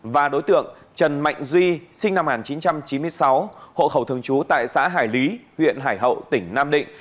và đối tượng trần mạnh duy sinh năm một nghìn chín trăm chín mươi sáu hộ khẩu thường trú tại xã hải lý huyện hải hậu tỉnh nam định